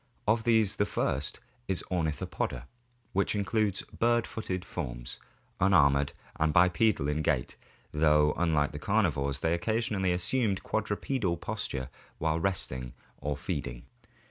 Of these the first is the Ornithopoda, which includes bird footed forms, unarmored, and bipedal in gait, though unlike the carnivores they occasionally assumed the quadrupedal posture while resting or feeding.